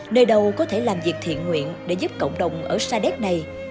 nơi đâu có thể làm việc thiện nguyện để giúp cộng đồng ở sa đéc này